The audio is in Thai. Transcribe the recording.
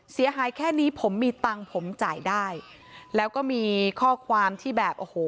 เสียหายแค่นี้ผมมีตังค์ผมจ่ายได้แล้วก็มีข้อความที่แบบโอ้โห